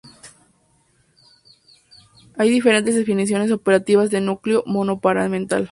Hay diferentes definiciones operativas de núcleo monoparental.